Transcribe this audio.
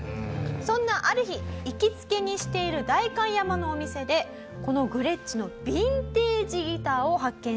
そんなある日行きつけにしている代官山のお店でこのグレッチのヴィンテージギターを発見します。